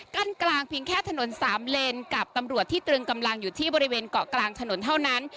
กั้นกลางเพียงแค่ถนนสามเลนกับตำรวจที่ตรึงกำลังอยู่ที่บริเวณเกาะกลางถนนเท่านั้น